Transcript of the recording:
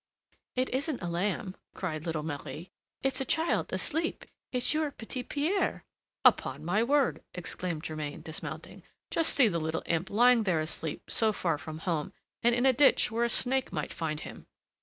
"It isn't a lamb," cried little Marie; "it's a child asleep; it's your Petit Pierre." "Upon my word!" exclaimed Germain, dismounting; "just see the little imp lying there asleep, so far from home, and in a ditch, where a snake might find him!"